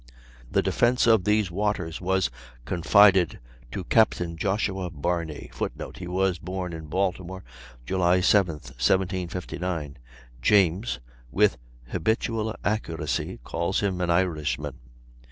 The defence of these waters was confided to Capt. Joshua Barney, [Footnote: He was born at Baltimore, July 7, 1759; James, with habitual accuracy, calls him an Irishman.